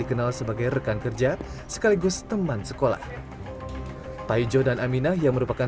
dikenal sebagai rekan kerja sekaligus teman sekolah taijo dan aminah yang merupakan